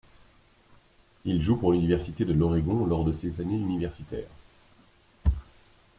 Il joue pour l'université de l'Oregon lors de ses années universitaire.